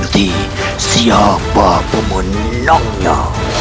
berhenti siapa pemenangnya